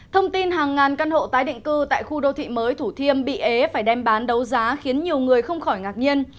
thông tin hàng ngàn căn hộ tái định cư tại khu đô thị mới thủ thiêm bị ế phải đem bán đấu giá khiến nhiều người không khỏi ngạc nhiên